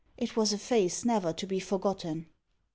It was a face never to be forgotten.